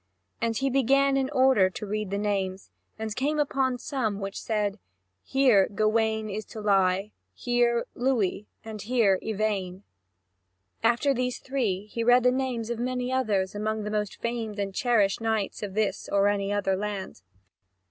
And he began in order to read the names, and came upon some which said: "Here Gawain is to lie, here Louis, and here Yvain." After these three, he read the names of many others among the most famed and cherished knights of this or any other land.